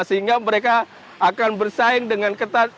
sehingga mereka akan bersaing dengan ketat